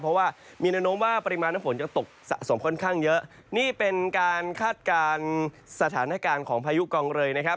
เพราะว่ามีแนวโน้มว่าปริมาณน้ำฝนจะตกสะสมค่อนข้างเยอะนี่เป็นการคาดการณ์สถานการณ์ของพายุกองเรยนะครับ